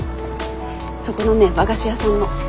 そこのね和菓子屋さんの。